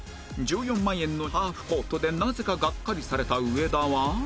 １４万円のハーフコートでなぜかガッカリされた上田は